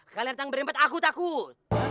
kalian datang berempat aku takut